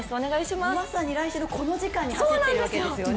まさに来週のこの時間に走っているわけですよね。